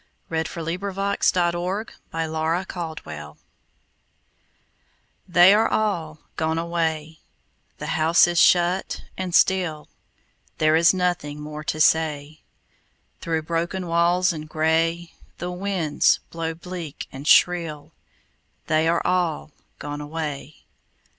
Edwin Arlington Robinson The House on the Hill THEY are all gone away, The house is shut and still, There is nothing more to say. Through broken walls and gray The winds blow bleak and shrill: They are all gone away.